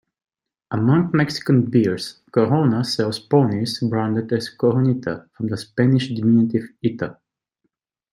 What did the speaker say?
Among Mexican beers, Corona sells ponies, branded as "Coronita", from the Spanish diminutive "-ita".